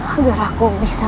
agar aku bisa